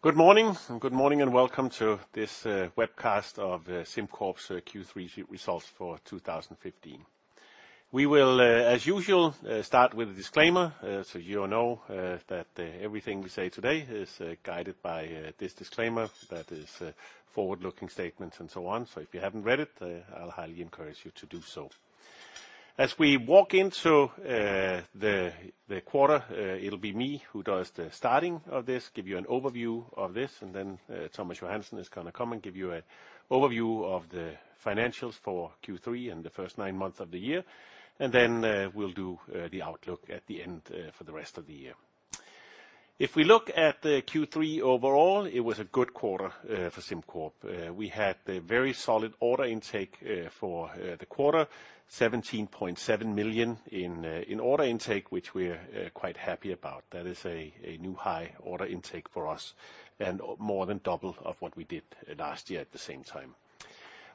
Good morning, and welcome to this webcast of SimCorp's Q3 results for 2015. We will, as usual, start with a disclaimer. You all know that everything we say today is guided by this disclaimer that is forward-looking statements and so on. If you haven't read it, I'll highly encourage you to do so. As we walk into the quarter, it'll be me who does the starting of this, give you an overview of this. Thomas Johansen is going to come and give you an overview of the financials for Q3 and the first nine months of the year. We'll do the outlook at the end for the rest of the year. If we look at the Q3 overall, it was a good quarter for SimCorp. We had a very solid order intake for the quarter, 17.7 million in order intake, which we're quite happy about. That is a new high order intake for us and more than double of what we did last year at the same time.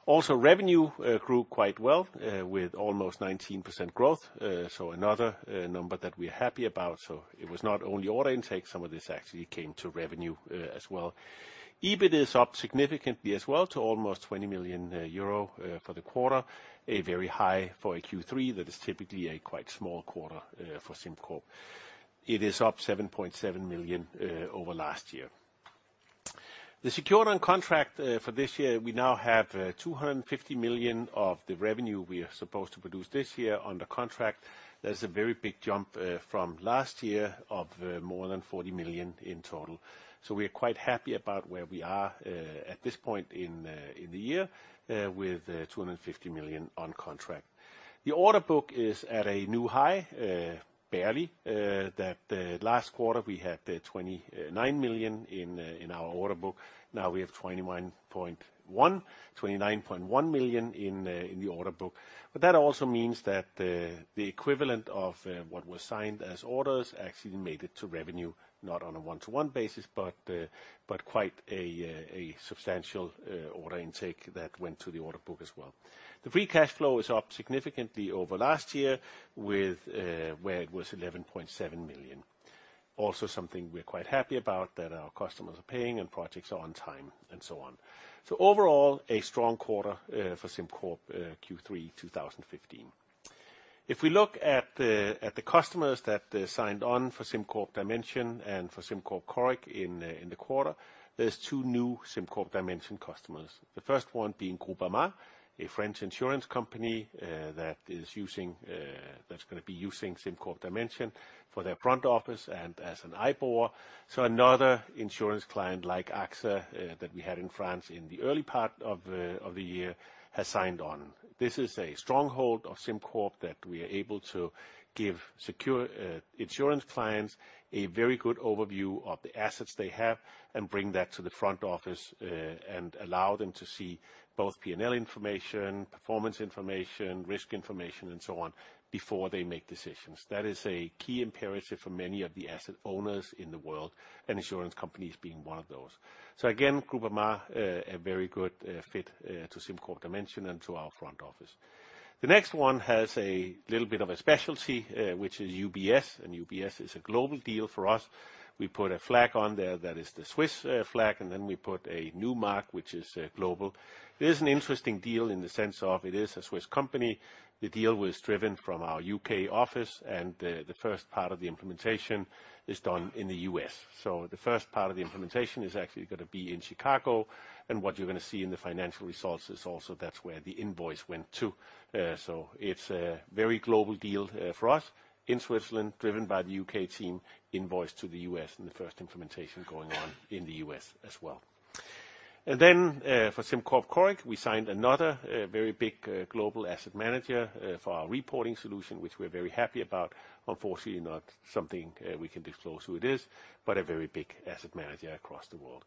Also, revenue grew quite well with almost 19% growth. Another number that we're happy about. It was not only order intake, some of this actually came to revenue as well. EBIT is up significantly as well to almost 20 million euro for the quarter, a very high for a Q3 that is typically a quite small quarter for SimCorp. It is up 7.7 million over last year. The secure on contract for this year, we now have 250 million of the revenue we are supposed to produce this year under contract. That is a very big jump from last year of more than 40 million in total. We are quite happy about where we are at this point in the year with 250 million on contract. The order book is at a new high, barely, that last quarter we had 29 million in our order book. Now we have 29.1 million in the order book. That also means that the equivalent of what was signed as orders actually made it to revenue, not on a one-to-one basis, but quite a substantial order intake that went to the order book as well. The free cash flow is up significantly over last year where it was 11.7 million. Also something we're quite happy about that our customers are paying and projects are on time and so on. Overall, a strong quarter for SimCorp Q3 2015. If we look at the customers that signed on for SimCorp Dimension and for SimCorp Coric in the quarter, there's two new SimCorp Dimension customers. The first one being Groupama, a French insurance company that's going to be using SimCorp Dimension for their front office and as an IBOR. Another insurance client like AXA that we had in France in the early part of the year has signed on. This is a stronghold of SimCorp that we are able to give secure insurance clients a very good overview of the assets they have and bring that to the front office, and allow them to see both P&L information, performance information, risk information, and so on before they make decisions. That is a key imperative for many of the asset owners in the world, and insurance companies being one of those. Again, Groupama a very good fit to SimCorp Dimension and to our front office. The next one has a little bit of a specialty, which is UBS, and UBS is a global deal for us. We put a flag on there that is the Swiss flag, and then we put a new mark, which is global. It is an interesting deal in the sense of it is a Swiss company. The deal was driven from our U.K. office, and the first part of the implementation is done in the U.S. The first part of the implementation is actually going to be in Chicago, and what you're going to see in the financial results is also that's where the invoice went to. It's a very global deal for us in Switzerland, driven by the U.K. team, invoiced to the U.S., and the first implementation going on in the U.S. as well. For SimCorp Coric, we signed another very big global asset manager for our reporting solution, which we're very happy about. Unfortunately, not something we can disclose who it is, but a very big asset manager across the world.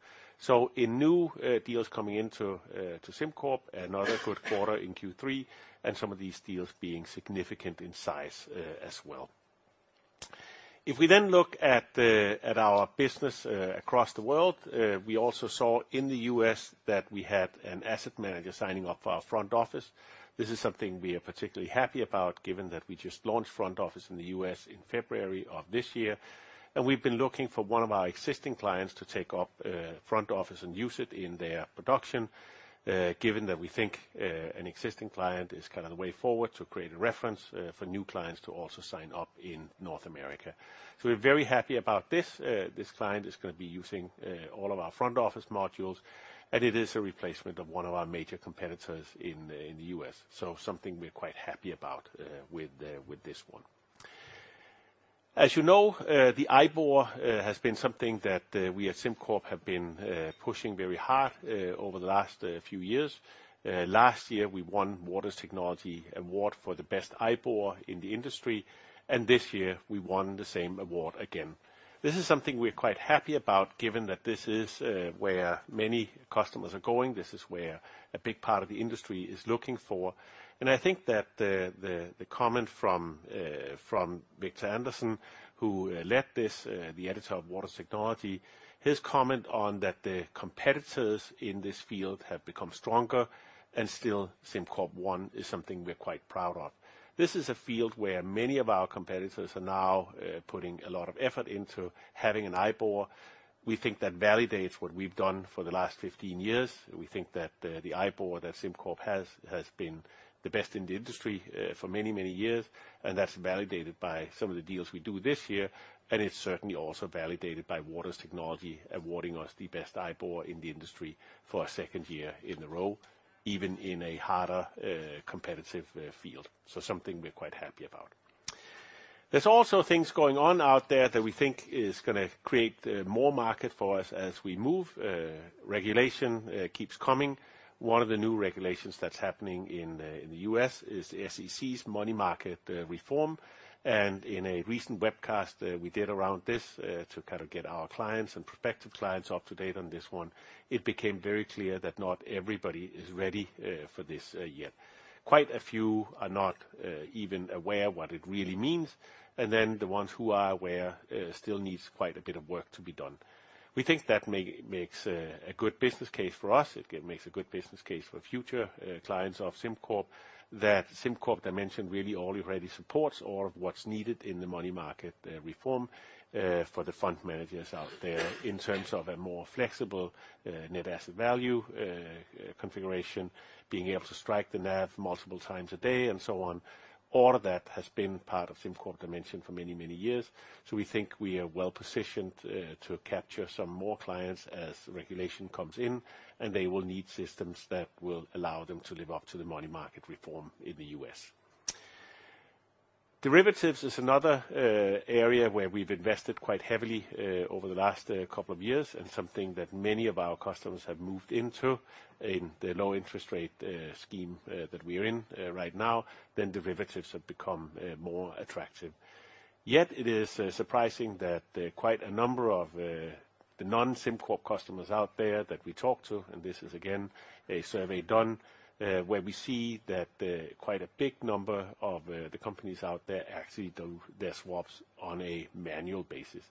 In new deals coming into SimCorp, another good quarter in Q3, and some of these deals being significant in size as well. If we then look at our business across the world, we also saw in the U.S. that we had an asset manager signing up for our front office. This is something we are particularly happy about given that we just launched front office in the U.S. in February of this year. We've been looking for one of our existing clients to take up front office and use it in their production, given that we think an existing client is kind of the way forward to create a reference for new clients to also sign up in North America. We're very happy about this. This client is going to be using all of our front office modules, and it is a replacement of one of our major competitors in the U.S. Something we're quite happy about with this one. As you know, the IBOR has been something that we at SimCorp have been pushing very hard over the last few years. Last year, we won Waters Technology Award for the best IBOR in the industry, and this year we won the same award again. This is something we're quite happy about given that this is where many customers are going. This is where a big part of the industry is looking for. I think that the comment from Victor Anderson, who led this, the editor of Waters Technology, his comment on that the competitors in this field have become stronger and still SimCorp won is something we're quite proud of. This is a field where many of our competitors are now putting a lot of effort into having an IBOR. We think that validates what we've done for the last 15 years. We think that the IBOR that SimCorp has been the best in the industry for many, many years, and that is validated by some of the deals we do this year, and it is certainly also validated by Waters Technology awarding us the best IBOR in the industry for a second year in a row, even in a harder competitive field. Something we are quite happy about. There are also things going on out there that we think is going to create more market for us as we move. Regulation keeps coming. One of the new regulations that is happening in the U.S. is the SEC's money market reform. In a recent webcast we did around this to get our clients and prospective clients up to date on this one, it became very clear that not everybody is ready for this yet. Quite a few are not even aware what it really means. The ones who are aware still need quite a bit of work to be done. We think that makes a good business case for us. It makes a good business case for future clients of SimCorp, that SimCorp Dimension really already supports all of what is needed in the money market reform for the fund managers out there in terms of a more flexible net asset value configuration, being able to strike the NAV multiple times a day and so on. All of that has been part of SimCorp Dimension for many, many years. We think we are well-positioned to capture some more clients as regulation comes in. They will need systems that will allow them to live up to the money market reform in the U.S. Derivatives is another area where we have invested quite heavily over the last couple of years and something that many of our customers have moved into in the low interest rate scheme that we are in right now. Derivatives have become more attractive. Yet it is surprising that quite a number of the non-SimCorp customers out there that we talk to, and this is again a survey done where we see that quite a big number of the companies out there actually do their swaps on a manual basis.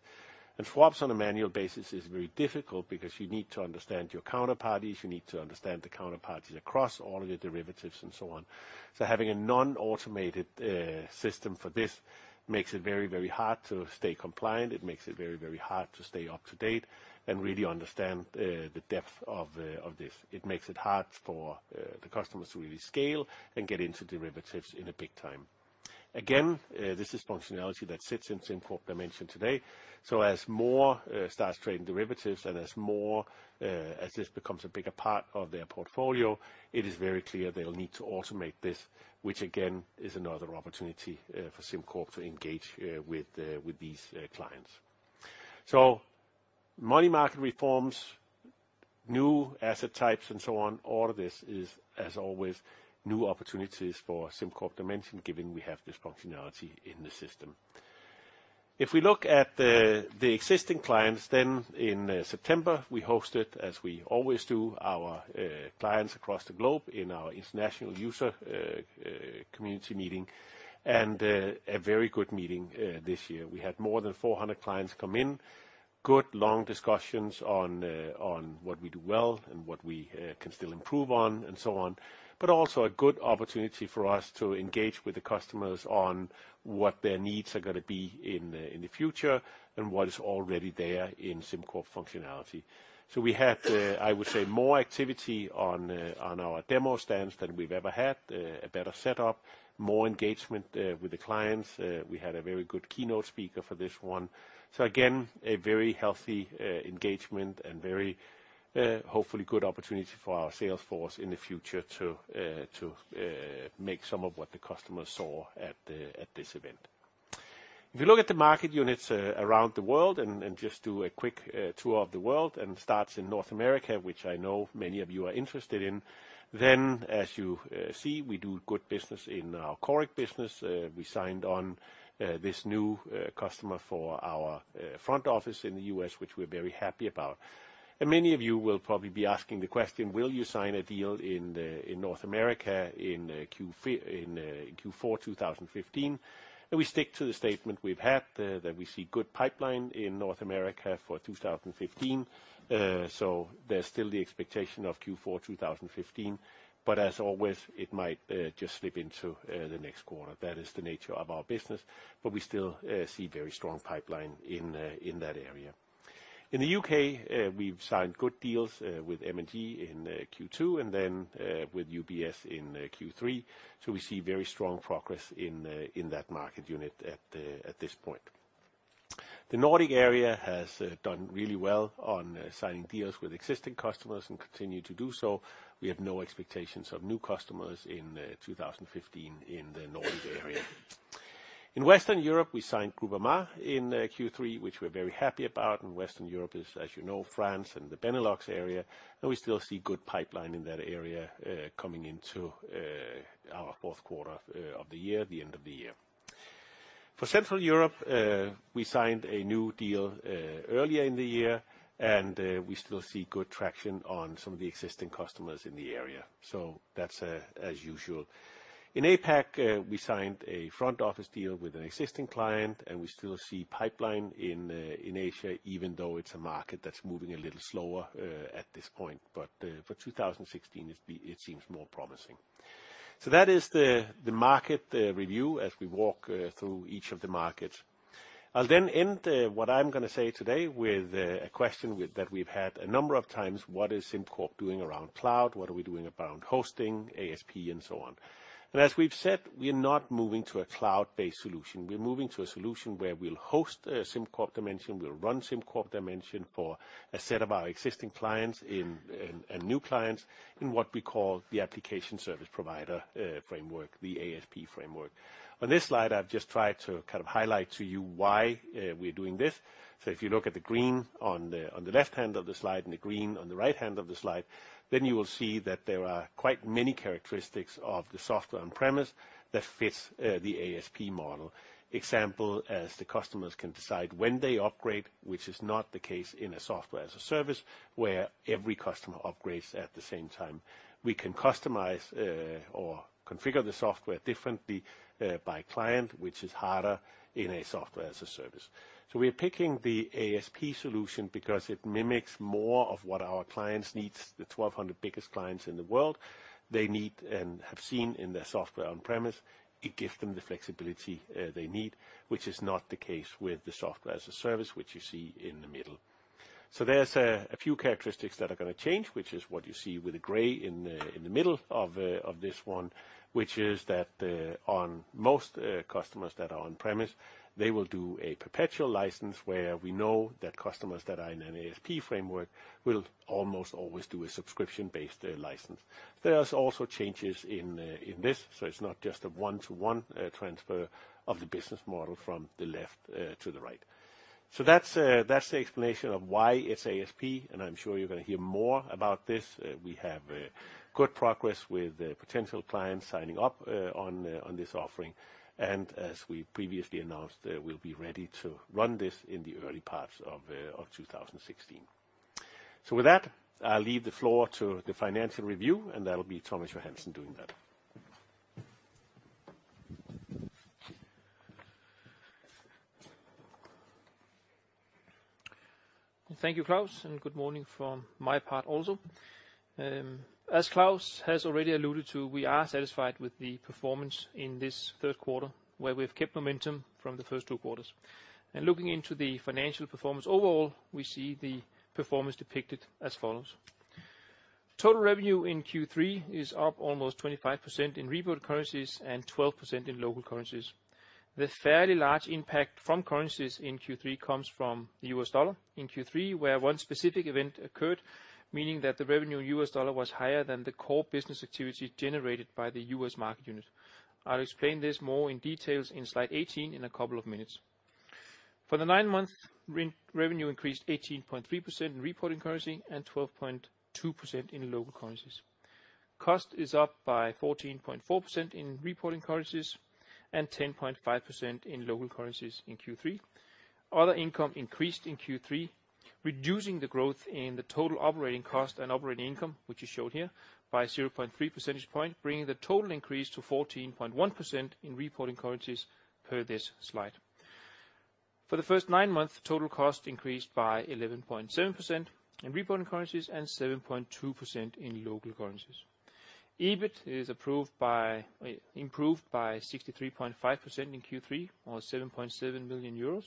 Swaps on a manual basis is very difficult because you need to understand your counterparties, you need to understand the counterparties across all of your derivatives and so on. Having a non-automated system for this makes it very, very hard to stay compliant. It makes it very, very hard to stay up to date and really understand the depth of this. It makes it hard for the customers to really scale and get into derivatives in a big time. Again, this is functionality that sits in SimCorp Dimension today. As more starts trading derivatives and as this becomes a bigger part of their portfolio, it is very clear they will need to automate this, which again is another opportunity for SimCorp to engage with these clients. Money market reforms, new asset types, and so on, all of this is, as always, new opportunities for SimCorp Dimension, given we have this functionality in the system. If we look at the existing clients, in September, we hosted, as we always do, our clients across the globe in our international user community meeting. It was a very good meeting this year. We had more than 400 clients come in, good long discussions on what we do well and what we can still improve on and so on. Also a good opportunity for us to engage with the customers on what their needs are going to be in the future and what is already there in SimCorp functionality. We had, I would say, more activity on our demo stands than we've ever had, a better setup, more engagement with the clients. We had a very good keynote speaker for this one. Again, a very healthy engagement and very, hopefully good opportunity for our sales force in the future to make some of what the customers saw at this event. If you look at the market units around the world and just do a quick tour of the world and starts in North America, which I know many of you are interested in, then as you see, we do good business in our Coric business. We signed on this new customer for our front office in the U.S., which we're very happy about. Many of you will probably be asking the question: Will you sign a deal in North America in Q4 2015? We stick to the statement we've had that we see good pipeline in North America for 2015. There's still the expectation of Q4 2015. As always, it might just slip into the next quarter. That is the nature of our business, but we still see very strong pipeline in that area. In the U.K., we've signed good deals with M&G in Q2 and then with UBS in Q3. We see very strong progress in that market unit at this point. The Nordic area has done really well on signing deals with existing customers and continue to do so. We have no expectations of new customers in 2015 in the Nordic area. In Western Europe, we signed Groupama in Q3, which we're very happy about, and Western Europe is, as you know, France and the Benelux area. We still see good pipeline in that area coming into our fourth quarter of the year, the end of the year. For Central Europe, we signed a new deal earlier in the year, and we still see good traction on some of the existing customers in the area. That's as usual. In APAC, we signed a front office deal with an existing client, and we still see pipeline in Asia, even though it's a market that's moving a little slower, at this point. For 2016, it seems more promising. That is the market review as we walk through each of the markets. I'll then end what I'm going to say today with a question that we've had a number of times. What is SimCorp doing around cloud? What are we doing around hosting, ASP, and so on? As we've said, we're not moving to a cloud-based solution. We're moving to a solution where we'll host SimCorp Dimension. We'll run SimCorp Dimension for a set of our existing clients and new clients in what we call the application service provider framework, the ASP framework. On this slide, I've just tried to kind of highlight to you why we're doing this. If you look at the green on the left-hand of the slide, and the green on the right-hand of the slide, you will see that there are quite many characteristics of the software on-premise that fits the ASP model. Example, as the customers can decide when they upgrade, which is not the case in a software-as-a-service, where every customer upgrades at the same time. We can customize or configure the software differently by client, which is harder in a software-as-a-service. We're picking the ASP solution because it mimics more of what our clients need, the 1,200 biggest clients in the world. They need and have seen in their software on-premise. It gives them the flexibility they need, which is not the case with the software-as-a-service, which you see in the middle. There's a few characteristics that are going to change, which is what you see with the gray in the middle of this one, which is that on most customers that are on-premise, they will do a perpetual license where we know that customers that are in an ASP framework will almost always do a subscription-based license. There's also changes in this, it's not just a one-to-one transfer of the business model from the left to the right. That's the explanation of why it's ASP, and I'm sure you're going to hear more about this. We have good progress with potential clients signing up on this offering, and as we previously announced, we'll be ready to run this in the early parts of 2016. With that, I'll leave the floor to the financial review, and that'll be Thomas Johansen doing that. Thank you, Klaus, and good morning from my part also. As Klaus has already alluded to, we are satisfied with the performance in this third quarter, where we've kept momentum from the first two quarters. Looking into the financial performance overall, we see the performance depicted as follows. Total revenue in Q3 is up almost 25% in reported currencies and 12% in local currencies. The fairly large impact from currencies in Q3 comes from the U.S. dollar in Q3, where one specific event occurred, meaning that the revenue in U.S. dollar was higher than the core business activity generated by the U.S. market unit. I'll explain this more in details in slide 18 in a couple of minutes. For the nine months, revenue increased 18.3% in reporting currency and 12.2% in local currencies. Cost is up by 14.4% in reporting currencies and 10.5% in local currencies in Q3. Other income increased in Q3, reducing the growth in the total operating cost and operating income, which is showed here by 0.3 percentage point, bringing the total increase to 14.1% in reporting currencies per this slide. For the first nine months, total cost increased by 11.7% in reported currencies and 7.2% in local currencies. EBIT is improved by 63.5% in Q3, or 7.7 million euros.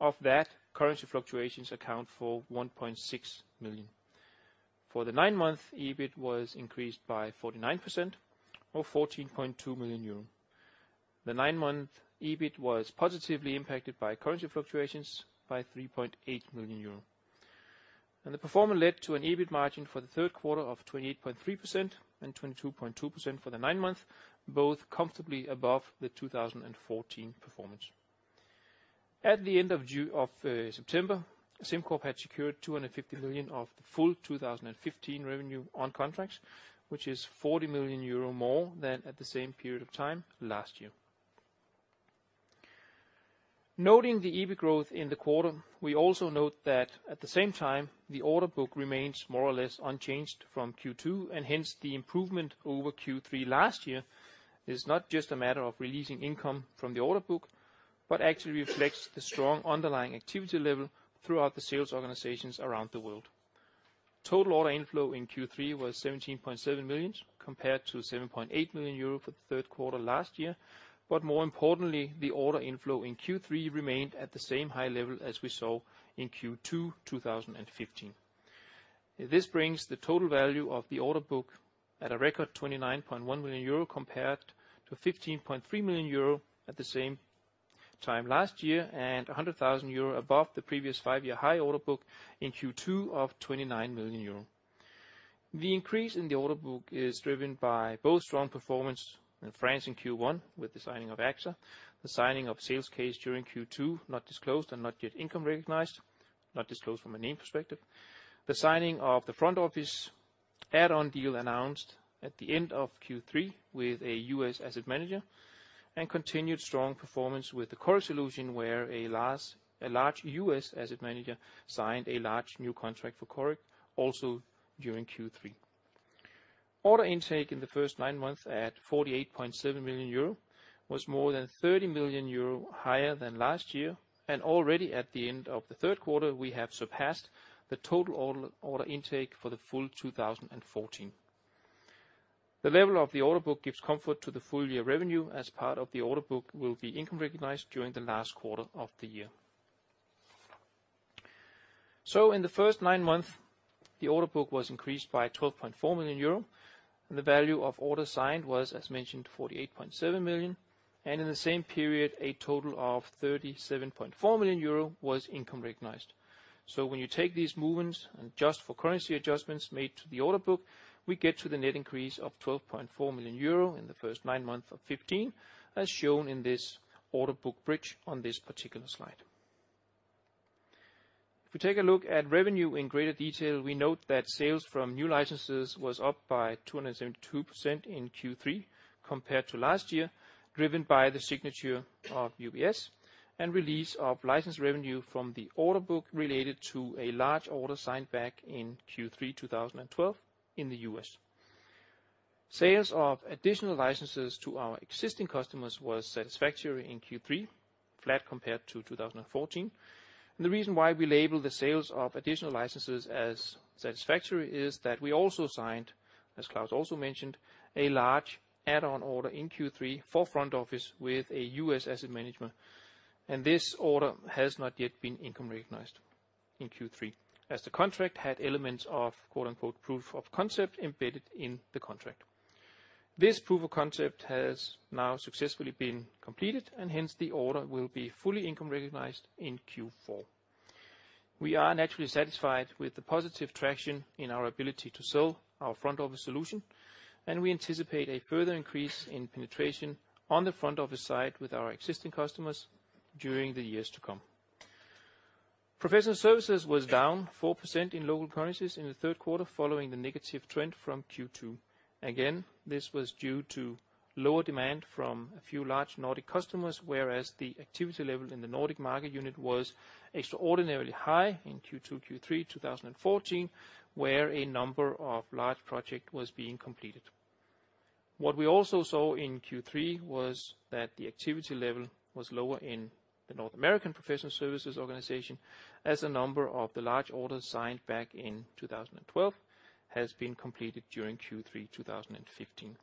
Of that, currency fluctuations account for 1.6 million. For the nine months, EBIT was increased by 49%, or 14.2 million euros. The nine-month EBIT was positively impacted by currency fluctuations by 3.8 million euro. The performer led to an EBIT margin for the third quarter of 28.3% and 22.2% for the nine months, both comfortably above the 2014 performance. At the end of September, SimCorp had secured 250 million of the full 2015 revenue on contracts, which is 40 million euro more than at the same period of time last year. Noting the EBIT growth in the quarter, we also note that at the same time, the order book remains more or less unchanged from Q2, and hence the improvement over Q3 last year is not just a matter of releasing income from the order book, but actually reflects the strong underlying activity level throughout the sales organizations around the world. Total order inflow in Q3 was 17.7 million, compared to 7.8 million euro for the third quarter last year. More importantly, the order inflow in Q3 remained at the same high level as we saw in Q2 2015. This brings the total value of the order book at a record 29.1 million euro compared to 15.3 million euro at the same time last year, and 100,000 euro above the previous five-year high order book in Q2 of 29 million euro. The increase in the order book is driven by both strong performance in France in Q1 with the signing of AXA, the signing of Sales Case during Q2, not disclosed and not yet income recognized, not disclosed from a name perspective. The signing of the front-office add-on deal announced at the end of Q3 with a U.S. asset manager, and continued strong performance with the Coric solution, where a large U.S. asset manager signed a large new contract for Coric also during Q3. Order intake in the first nine months at 48.7 million euro was more than 30 million euro higher than last year, and already at the end of the third quarter, we have surpassed the total order intake for the full 2014. The level of the order book gives comfort to the full-year revenue as part of the order book will be income recognized during the last quarter of the year. In the first nine months, the order book was increased by 12.4 million euro. The value of orders signed was, as mentioned, 48.7 million, and in the same period, a total of 37.4 million euro was income recognized. When you take these movements and adjust for currency adjustments made to the order book, we get to the net increase of 12.4 million euro in the first nine months of 2015, as shown in this order book bridge on this particular slide. If we take a look at revenue in greater detail, we note that sales from new licenses was up by 272% in Q3 compared to last year, driven by the signature of UBS and release of license revenue from the order book related to a large order signed back in Q3 2012 in the U.S. Sales of additional licenses to our existing customers was satisfactory in Q3, flat compared to 2014. The reason why we label the sales of additional licenses as satisfactory is that we also signed, as Klaus also mentioned, a large add-on order in Q3 for front office with a U.S. asset management. This order has not yet been income recognized in Q3, as the contract had elements of "proof of concept" embedded in the contract. This proof of concept has now successfully been completed, hence the order will be fully income recognized in Q4. We are naturally satisfied with the positive traction in our ability to sell our front office solution, we anticipate a further increase in penetration on the front office side with our existing customers during the years to come. Professional services was down 4% in local currencies in the third quarter, following the negative trend from Q2. Again, this was due to lower demand from a few large Nordic customers, whereas the activity level in the Nordic market unit was extraordinarily high in Q2, Q3 2014, where a number of large project was being completed. What we also saw in Q3 was that the activity level was lower in the North American professional services organization, as a number of the large orders signed back in 2012 has been completed during Q3 2015.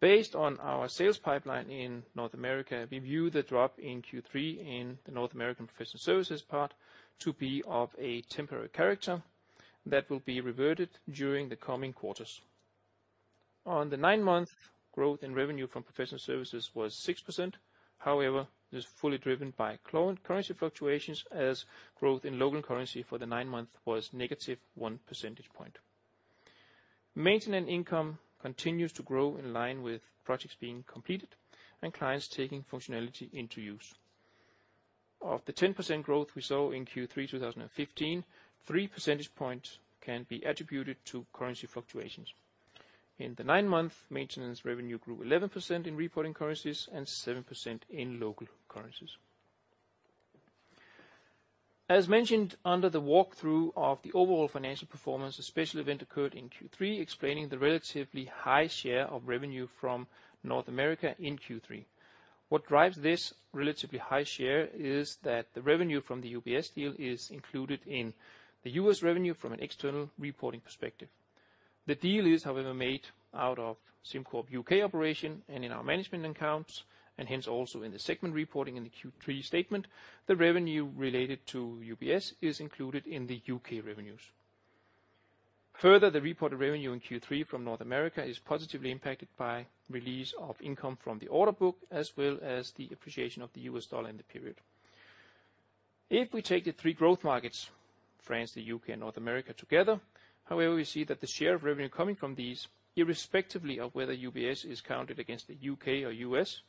Based on our sales pipeline in North America, we view the drop in Q3 in the North American professional services part to be of a temporary character that will be reverted during the coming quarters. On the nine months, growth in revenue from professional services was 6%. However, it is fully driven by currency fluctuations as growth in local currency for the nine months was negative one percentage point. Maintenance income continues to grow in line with projects being completed and clients taking functionality into use. Of the 10% growth we saw in Q3 2015, three percentage points can be attributed to currency fluctuations. In the nine months, maintenance revenue grew 11% in reporting currencies and 7% in local currencies. As mentioned under the walkthrough of the overall financial performance, a special event occurred in Q3 explaining the relatively high share of revenue from North America in Q3. What drives this relatively high share is that the revenue from the UBS deal is included in the U.S. revenue from an external reporting perspective. The deal is, however, made out of SimCorp U.K. operation and in our management accounts, hence also in the segment reporting in the Q3 statement. The revenue related to UBS is included in the U.K. revenues. Further, the reported revenue in Q3 from North America is positively impacted by release of income from the order book as well as the appreciation of the U.S. dollar in the period. If we take the three growth markets, France, the U.K., and North America together, however, we see that the share of revenue coming from these, irrespectively of whether UBS is counted against the U.K. or U.S.,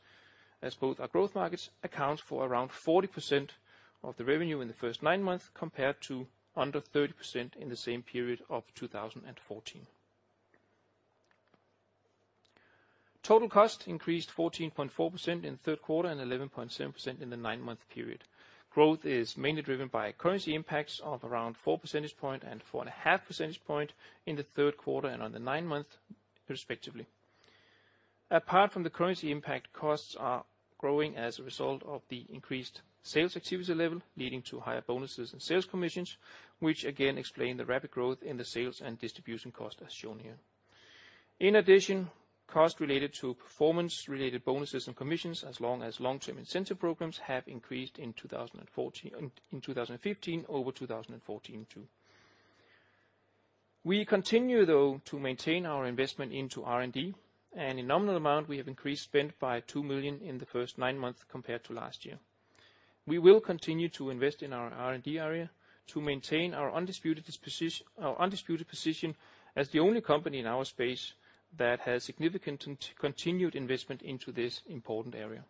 as both are growth markets, accounts for around 40% of the revenue in the first nine months, compared to under 30% in the same period of 2014. Total cost increased 14.4% in the third quarter and 11.7% in the nine-month period. Growth is mainly driven by currency impacts of around four percentage point and four and a half percentage point in the third quarter and on the nine months respectively. Apart from the currency impact, costs are growing as a result of the increased sales activity level, leading to higher bonuses and sales commissions, which again explain the rapid growth in the sales and distribution cost as shown here. In addition, costs related to performance-related bonuses and commissions, as long as long-term incentive programs, have increased in 2015 over 2014, too. We continue though to maintain our investment into R&D, and in nominal amount, we have increased spend by 2 million in the first nine months compared to last year. We will continue to invest in our R&D area to maintain our undisputed position as the only company in our space that has significant continued investment into this important area.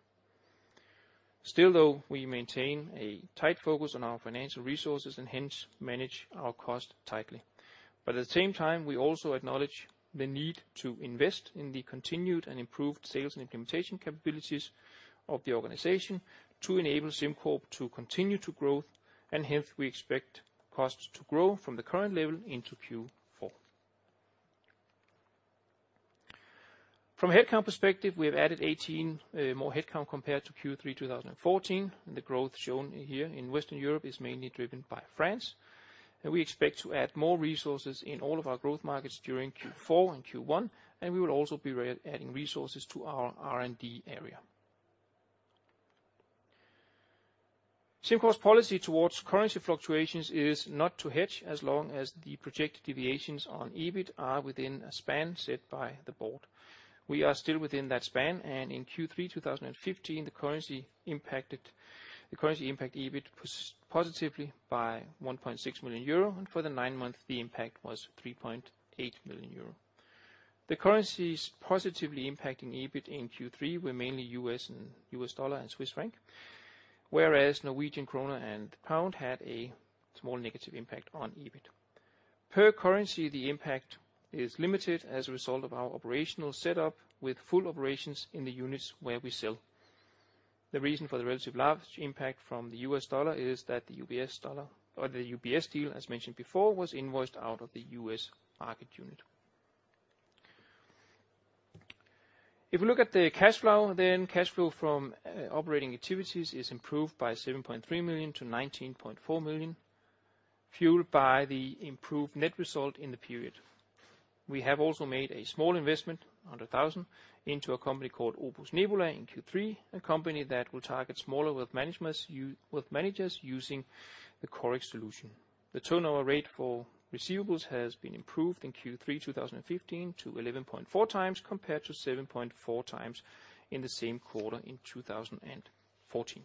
Still though, we maintain a tight focus on our financial resources and hence manage our cost tightly. At the same time, we also acknowledge the need to invest in the continued and improved sales and implementation capabilities of the organization to enable SimCorp to continue to grow, hence we expect costs to grow from the current level into Q4. From a headcount perspective, we have added 18 more headcount compared to Q3 2014. The growth shown here in Western Europe is mainly driven by France. We expect to add more resources in all of our growth markets during Q4 and Q1, and we will also be adding resources to our R&D area. SimCorp's policy towards currency fluctuations is not to hedge as long as the projected deviations on EBIT are within a span set by the board. We are still within that span, and in Q3 2015, the currency impact EBIT was positively by 1.6 million euro, and for the nine months, the impact was 3.8 million euro. The currencies positively impacting EBIT in Q3 were mainly U.S. dollar and Swiss franc, whereas Norwegian kroner and the pound had a small negative impact on EBIT. Per currency, the impact is limited as a result of our operational setup with full operations in the units where we sell. The reason for the relatively large impact from the U.S. dollar is that the UBS deal, as mentioned before, was invoiced out of the U.S. market unit. If we look at the cash flow, then cash flow from operating activities is improved by 7.3 million to 19.4 million, fueled by the improved net result in the period. We have also made a small investment, 100,000, into a company called Opus Nebula in Q3, a company that will target smaller wealth managers using the Coric solution. The turnover rate for receivables has been improved in Q3 2015 to 11.4 times compared to 7.4 times in the same quarter in 2014.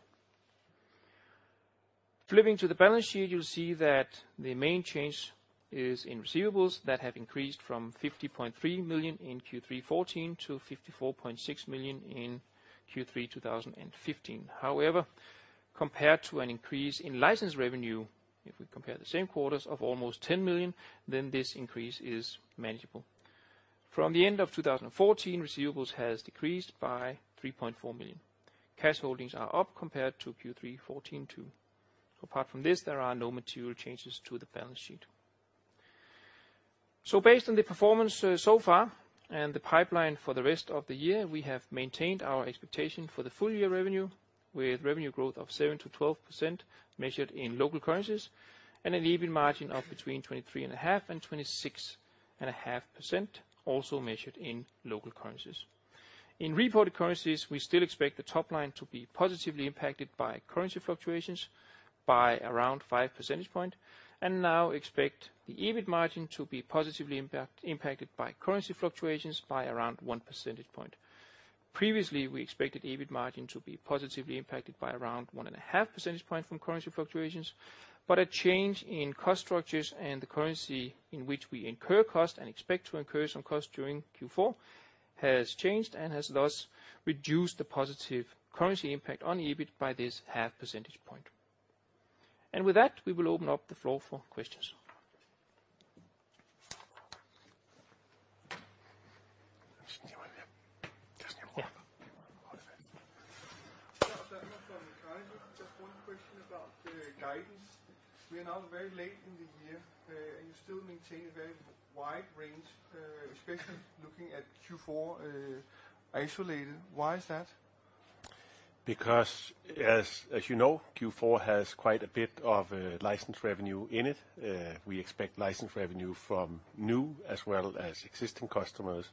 Flipping to the balance sheet, you'll see that the main change is in receivables that have increased from 50.3 million in Q3 2014 to 54.6 million in Q3 2015. However, compared to an increase in license revenue, if we compare the same quarters of almost 10 million, then this increase is manageable. From the end of 2014, receivables has decreased by 3.4 million. Cash holdings are up compared to Q3 2014 too. Apart from this, there are no material changes to the balance sheet. Based on the performance so far and the pipeline for the rest of the year, we have maintained our expectation for the full year revenue, with revenue growth of 7%-12% measured in local currencies, and an EBIT margin of between 23.5% and 26.5% also measured in local currencies. In reported currencies, we still expect the top line to be positively impacted by currency fluctuations by around 5 percentage points, and now expect the EBIT margin to be positively impacted by currency fluctuations by around 1 percentage point. Previously, we expected EBIT margin to be positively impacted by around 1.5 percentage points from currency fluctuations, but a change in cost structures and the currency in which we incur cost and expect to incur some cost during Q4 has changed and has thus reduced the positive currency impact on EBIT by this half percentage point. With that, we will open up the floor for questions. Thomas from Just one question about the guidance. We are now very late in the year, and you still maintain a very wide range, especially looking at Q4 isolated. Why is that? As you know, Q4 has quite a bit of license revenue in it. We expect license revenue from new as well as existing customers,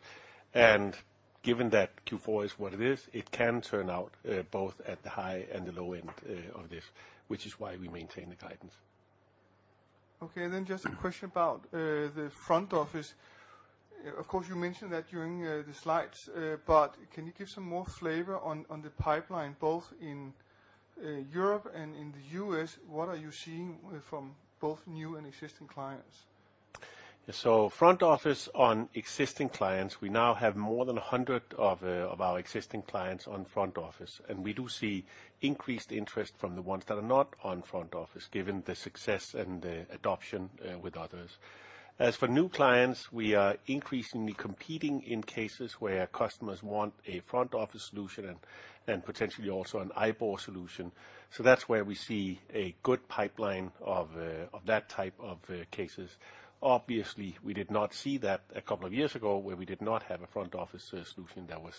given that Q4 is what it is, it can turn out both at the high and the low end of this, which is why we maintain the guidance. Just a question about the front office. You mentioned that during the slides, but can you give some more flavor on the pipeline, both in Europe and in the U.S.? What are you seeing from both new and existing clients? Front office on existing clients, we now have more than 100 of our existing clients on front office, we do see increased interest from the ones that are not on front office, given the success and the adoption with others. As for new clients, we are increasingly competing in cases where customers want a front-office solution and potentially also an IBOR solution. That's where we see a good pipeline of that type of cases. We did not see that a couple of years ago where we did not have a front-office solution that was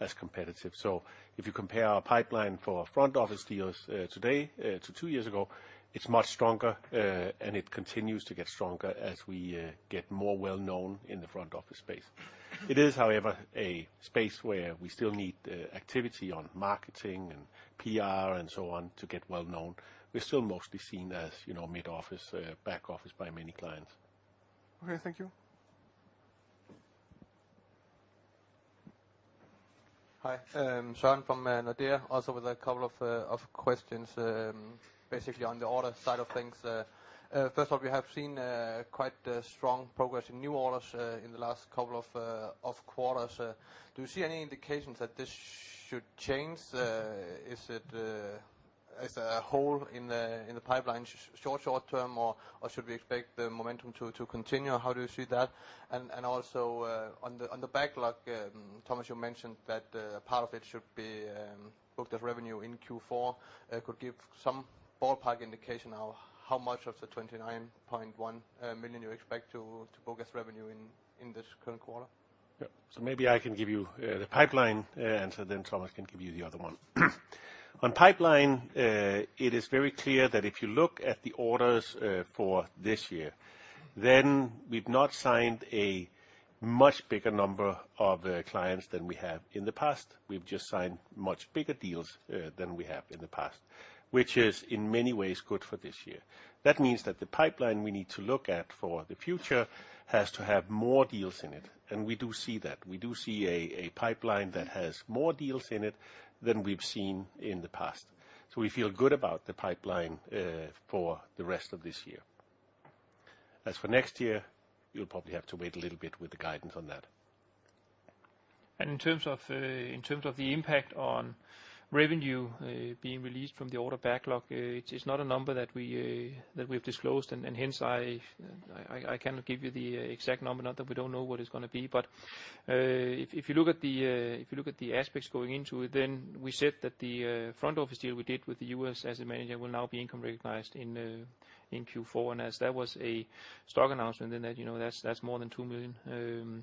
as competitive. If you compare our pipeline for front office deals today to two years ago, it's much stronger, it continues to get stronger as we get more well-known in the front office space. It is, however, a space where we still need activity on marketing and PR so on to get well-known. We're still mostly seen as mid office, back office by many clients. Okay, thank you. Hi. Sune from Nordea, also with a couple of questions, basically on the order side of things. First off, we have seen quite strong progress in new orders in the last couple of quarters. Do you see any indications that this should change? Is it as a hole in the pipeline short term, or should we expect the momentum to continue? How do you see that? Also on the backlog, Thomas, you mentioned that part of it should be booked as revenue in Q4. Could you give some ballpark indication of how much of the 29.1 million you expect to book as revenue in this current quarter? Maybe I can give you the pipeline answer, Thomas can give you the other one. On pipeline, it is very clear that if you look at the orders for this year, we've not signed a much bigger number of clients than we have in the past. We've just signed much bigger deals than we have in the past, which is in many ways good for this year. That means that the pipeline we need to look at for the future has to have more deals in it, we do see that. We do see a pipeline that has more deals in it than we've seen in the past. We feel good about the pipeline for the rest of this year. As for next year, you'll probably have to wait a little bit with the guidance on that. In terms of the impact on revenue being released from the order backlog, it is not a number that we've disclosed and hence I cannot give you the exact number. Not that we don't know what it's going to be, but if you look at the aspects going into it, we said that the front office deal we did with the U.S. asset manager will now be income recognized in Q4, as that was a stock announcement, that's more than 2 million.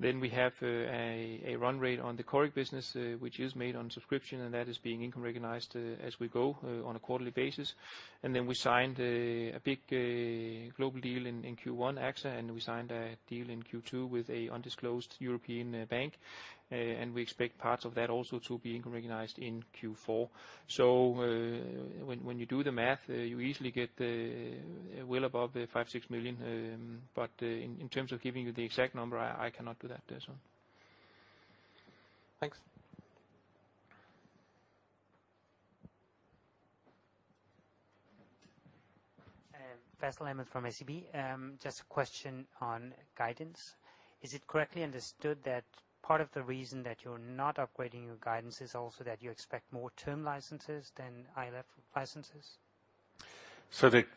We have a run rate on the Coric business, which is made on subscription, that is being income recognized as we go on a quarterly basis. We signed a big global deal in Q1, AXA, we signed a deal in Q2 with an undisclosed European bank, we expect parts of that also to be income recognized in Q4. When you do the math, you easily get well above the five, six million. But in terms of giving you the exact number, I cannot do that, Sune. Thanks. Faisal Ahmed from SEB. Just a question on guidance. Is it correctly understood that part of the reason that you're not upgrading your guidance is also that you expect more term licenses than ILF licenses?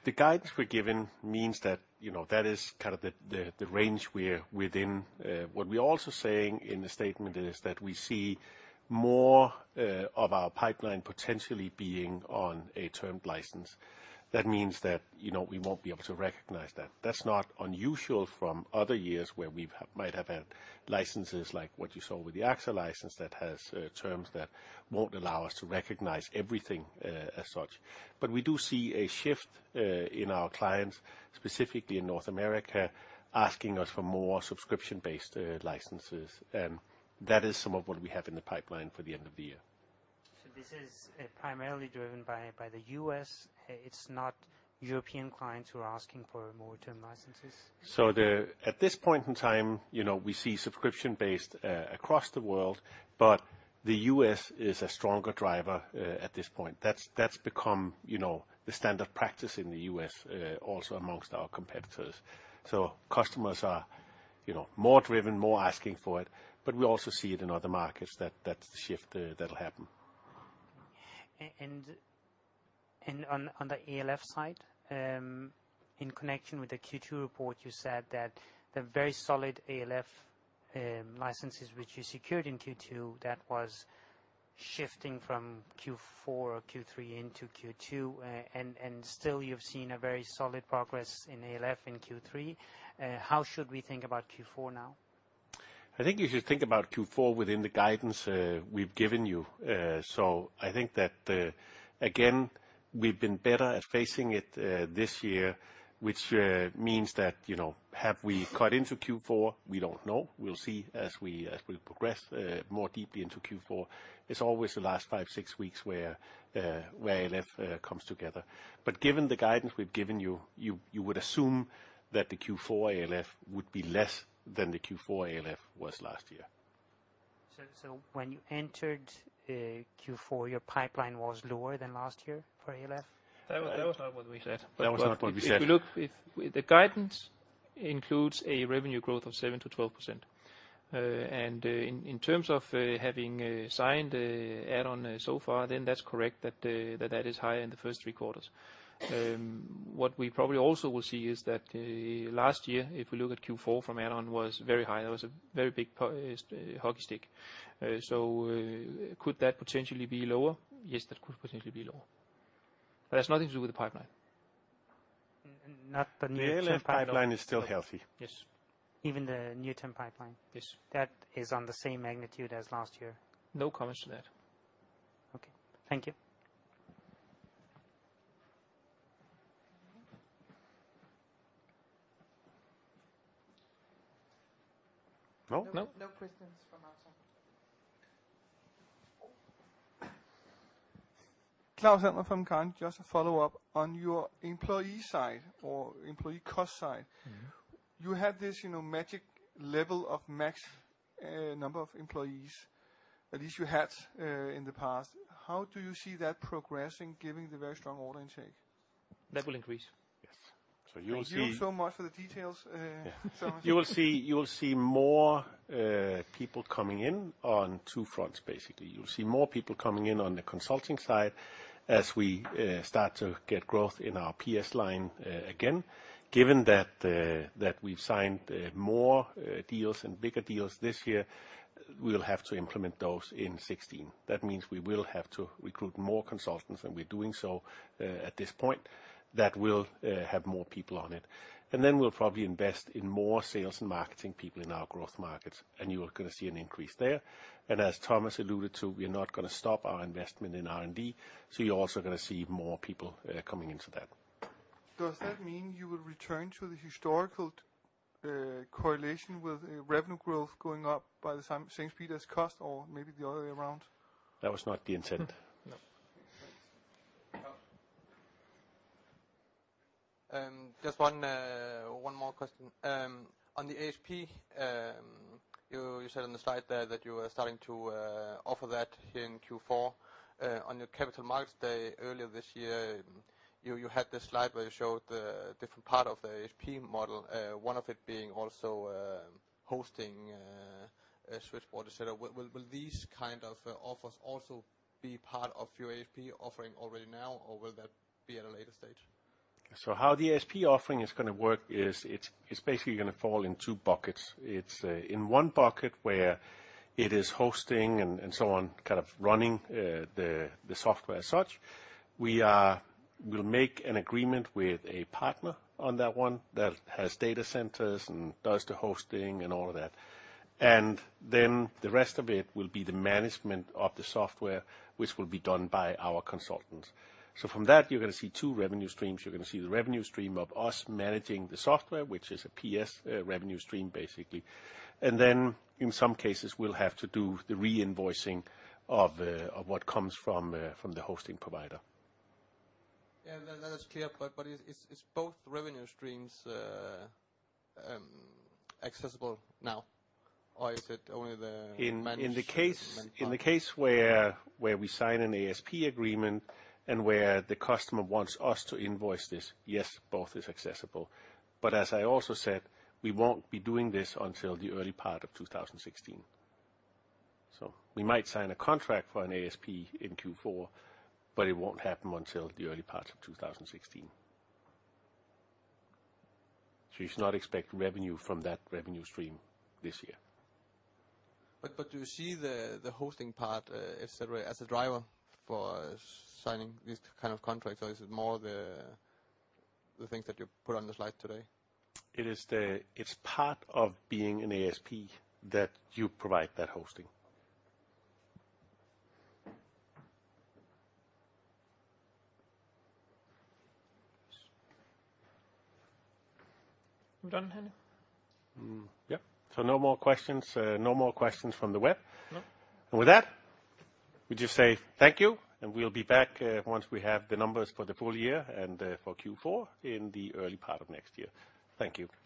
The guidance we're giving means that is kind of the range we're within. What we're also saying in the statement is that we see more of our pipeline potentially being on a termed license. That means that we won't be able to recognize that. That's not unusual from other years where we might have had licenses like what you saw with the AXA license that has terms that won't allow us to recognize everything as such. We do see a shift in our clients, specifically in North America, asking us for more subscription-based licenses. That is some of what we have in the pipeline for the end of the year. This is primarily driven by the U.S. It's not European clients who are asking for more term licenses? At this point in time, we see subscription-based across the world, but the U.S. is a stronger driver at this point. That's become the standard practice in the U.S. also amongst our competitors. Customers are more driven, more asking for it, but we also see it in other markets, that shift that'll happen. On the ALF side, in connection with the Q2 report, you said that the very solid ALF licenses which you secured in Q2, that was shifting from Q4 or Q3 into Q2, and still you've seen a very solid progress in ALF in Q3. How should we think about Q4 now? I think you should think about Q4 within the guidance we've given you. I think that, again, we've been better at facing it this year, which means that have we cut into Q4? We don't know. We'll see as we progress more deeply into Q4. It's always the last five, six weeks where ALF comes together. Given the guidance we've given you would assume that the Q4 ALF would be less than the Q4 ALF was last year. When you entered Q4, your pipeline was lower than last year for ALF? That was not what we said. That was not what we said. The guidance includes a revenue growth of 7%-12%. In terms of having signed add-on so far, that's correct that is high in the first three quarters. What we probably also will see is that last year, if we look at Q4 from add-on, was very high. That was a very big hockey stick. Could that potentially be lower? Yes, that could potentially be lower. That's nothing to do with the pipeline. Not the new term pipeline. The ALF pipeline is still healthy. Yes. Even the new term pipeline? Yes. That is on the same magnitude as last year? No comments to that. Okay. Thank you. No? No questions from our side. Claus Almer from Carnegie. Just to follow up on your employee side or employee cost side. You had this magic level of max number of employees, at least you had in the past. How do you see that progressing, given the very strong order intake? That will increase. Yes. You will see. Thank you so much for the details, Thomas. You will see more people coming in on two fronts, basically. You'll see more people coming in on the consulting side as we start to get growth in our PS line again. Given that we've signed more deals and bigger deals this year, we'll have to implement those in 2016. That means we will have to recruit more consultants, and we're doing so at this point. That will have more people on it. We'll probably invest in more sales and marketing people in our growth markets, and you are going to see an increase there. As Thomas alluded to, we are not going to stop our investment in R&D, so you're also going to see more people coming into that. Does that mean you will return to the historical correlation with revenue growth going up by the same speed as cost or maybe the other way around? That was not the intent. No. Just one more question. On the ASP, you said on the slide there that you are starting to offer that here in Q4. On your Capital Markets Day earlier this year, you had this slide where you showed the different part of the ASP model, one of it being also hosting a switchboard, et cetera. Will these kind of offers also be part of your ASP offering already now, or will that be at a later stage? How the ASP offering is going to work is it's basically going to fall in two buckets. It's in one bucket where it is hosting and so on, kind of running the software as such. We'll make an agreement with a partner on that one that has data centers and does the hosting and all of that. The rest of it will be the management of the software, which will be done by our consultants. From that, you're going to see two revenue streams. You're going to see the revenue stream of us managing the software, which is a PS revenue stream, basically. In some cases, we'll have to do the reinvoicing of what comes from the hosting provider. That is clear. Is both revenue streams accessible now, or is it only the managed part? In the case where we sign an ASP agreement and where the customer wants us to invoice this, yes, both is accessible. As I also said, we won't be doing this until the early part of 2016. We might sign a contract for an ASP in Q4, it won't happen until the early part of 2016. You should not expect revenue from that revenue stream this year. Do you see the hosting part, et cetera, as a driver for signing these kind of contracts? Is it more the things that you put on the slide today? It's part of being an ASP that you provide that hosting. We're done, Henriette? Yep. No more questions. No more questions from the web. No. With that, we just say thank you, and we'll be back once we have the numbers for the full year and for Q4 in the early part of next year. Thank you.